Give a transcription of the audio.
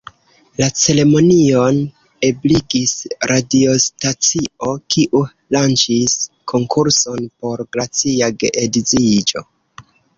La ceremonion ebligis radiostacio, kiu lanĉis konkurson por glacia geedziĝo.